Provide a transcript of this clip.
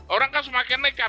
orang kan semakin nekat